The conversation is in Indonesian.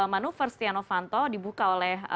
manu first tiano fanto dibuka oleh